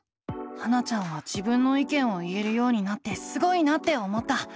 ハナちゃんは自分の意見を言えるようになってすごいなって思った。